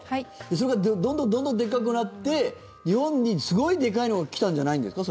それがどんどんでっかくなって日本にすごいでかいのが来たんじゃないんですか？